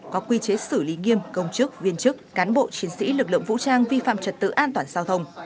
có quy chế xử lý nghiêm công chức viên chức cán bộ chiến sĩ lực lượng vũ trang vi phạm trật tự an toàn giao thông